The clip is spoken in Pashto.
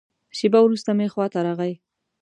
شېبه وروسته مې خوا ته راغی.